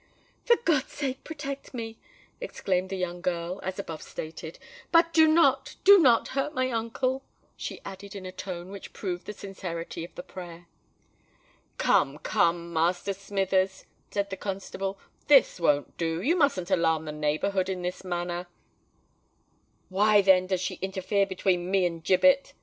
"For God's sake protect me!" exclaimed the young girl, as above stated; "but do not—do not hurt my uncle," she added in a tone which proved the sincerity of the prayer. "Come, come, Master Smithers," said the constable, "this won't do: you musn't alarm the neighbourhood in this manner." "Why, then, does she interfere between me and Gibbet?"